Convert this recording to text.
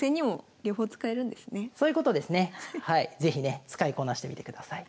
是非ね使いこなしてみてください。